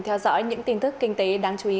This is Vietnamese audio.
theo dõi những tin tức kinh tế đáng chú ý